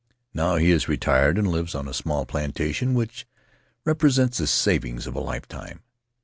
Now he is retired and lives on a small planta tion which represents the savings of a lifetime.